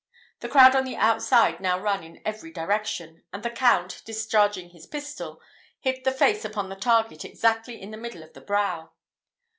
The crowd on the outside now ran in every direction; and the Count, discharging his pistol, hit the face upon the target exactly in the middle of the brow.